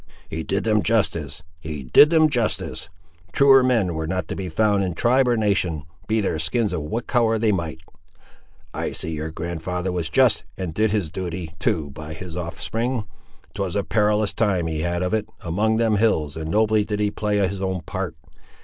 "He did them justice! he did them justice! Truer men were not to be found in tribe or nation, be their skins of what colour they might. I see your grand'ther was just, and did his duty, too, by his offspring! 'Twas a perilous time he had of it, among them hills, and nobly did he play his own part!